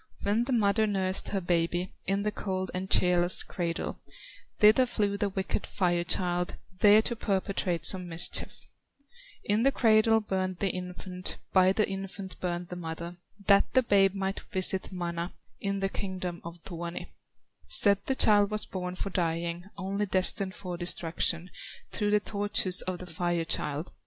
"Where the mother nursed her baby, In the cold and cheerless cradle, Thither flew the wicked Fire child, There to perpetrate some mischief; In the cradle burned the infant, By the infant burned the mother, That the babe might visit Mana, In the kingdom of Tuoni; Said the child was born for dying, Only destined for destruction, Through the tortures of the Fire child.